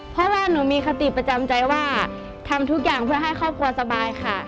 เพราะว่าหนูมีคติประจำใจว่าทำทุกอย่างเพื่อให้ครอบครัวสบายค่ะ